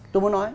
tôi muốn nói